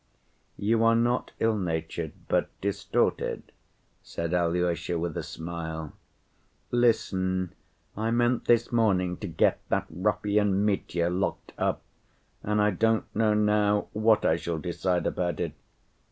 "You are not ill‐natured, but distorted," said Alyosha with a smile. "Listen. I meant this morning to get that ruffian Mitya locked up and I don't know now what I shall decide about it.